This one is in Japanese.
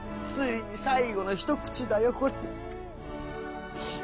ついに最後の一口だよこれ。